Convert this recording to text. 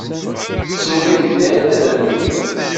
Tettesmumi deg lɛibad am wi.